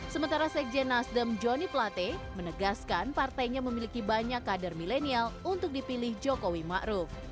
sementara sekjen nasdem jonny plate menegaskan partainya memiliki banyak kader milenial untuk dipilih jokowi ma'ruf